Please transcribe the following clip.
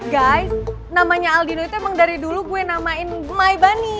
guys namanya aldino itu emang dari dulu gue namain mae bany